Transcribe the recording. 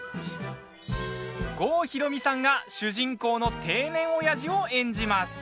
郷ひろみさんが主人公の定年オヤジを演じます。